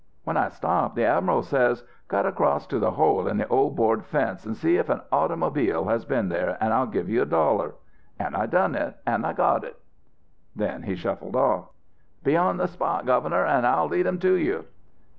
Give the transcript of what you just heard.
"'When I stopped the admiral says: "Cut across to the hole in that old board fence and see if an automobile has been there, and I'll give you a dollar." An' I done it, an' I got it.' "Then he shuffled off. "'Be on the spot, Governor, an' I'll lead him to you.'"